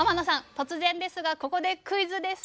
突然ですがここでクイズです。